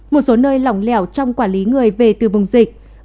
một số nơi lỏng lẻo trong quản lý người về từ vùng dịch